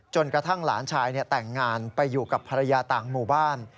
กระทั่งหลานชายแต่งงานไปอยู่กับภรรยาต่างหมู่บ้าน